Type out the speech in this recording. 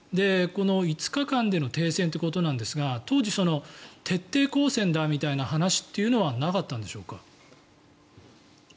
この５日間での停戦ということなんですが当時、徹底抗戦だみたいな話というのはなかったんでしょうか。